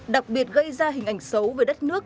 đặc biệt gây ra hình ảnh xấu về đất nước